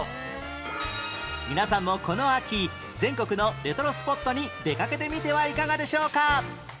皆さんもこの秋全国のレトロスポットに出かけてみてはいかがでしょうか？